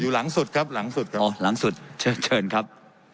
หลังสุดครับหลังสุดอ๋อหลังสุดเชิญเชิญครับ